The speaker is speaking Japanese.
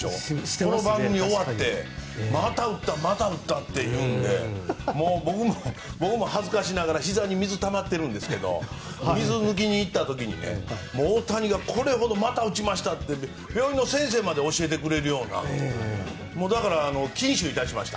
この番組終わってまた打ったまた打ったというので僕も恥ずかしながらひざに水がたまってるんですけど水を抜きに行った時に大谷がこれほどまた打ちましたって病院の先生まで教えてくれるようなだから、禁酒いたしました。